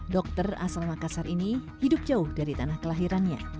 dokter asal makassar ini hidup jauh dari tanah kelahirannya